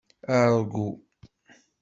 Argu.